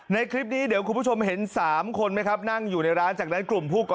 ในคลิปนี้คนเห็นสามคนไหมครับนั่งอยู่ร้านจากนั้นกลุ่มผู้กระเหตุ